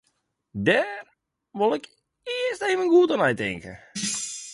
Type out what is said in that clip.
Dêr wol ik earst even goed oer neitinke.